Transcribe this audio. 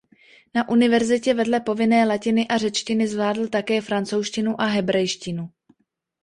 Na univerzitě vedle povinné latiny a řečtiny zvládl také francouzštinu a hebrejštinu.